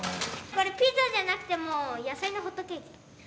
これピザじゃなくてもう野菜のホットケーキ。